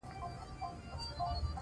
بدرنګه نیت نېک نیتونه وژني